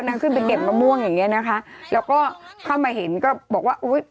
นางขึ้นไปเก็บมะม่วงอย่างเงี้นะคะแล้วก็เข้ามาเห็นก็บอกว่าอุ้ย